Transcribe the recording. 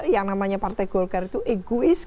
yang namanya partai golkar itu egois